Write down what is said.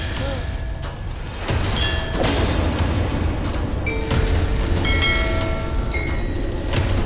yaudah yuk kita harus lihat berdua ya